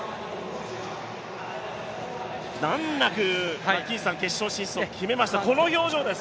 難なく決勝進出を決めました、この表情です。